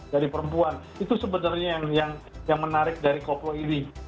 dari perempuan itu sebenarnya yang menarik dari koplo ini